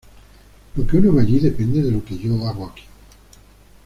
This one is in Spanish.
Lo que uno ve allí depende de lo que yo hago aquí.